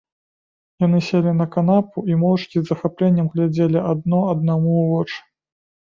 Яны селі на канапу і моўчкі з захапленнем глядзелі адно аднаму ў вочы.